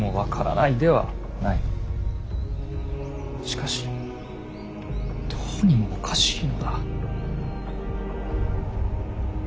しかしどうにもおかしいのだ。